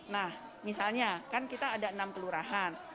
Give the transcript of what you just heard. nah misalnya kan kita ada enam kelurahan